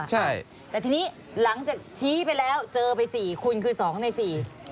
ใช่แต่ทีนี้หลังจากชี้ไปแล้วเจอไป๔คุณคือ๒ใน๔